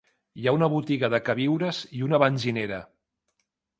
Hi ha una botiga de queviures i una benzinera.